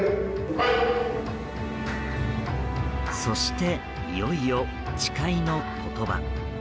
そしていよいよ、誓いの言葉。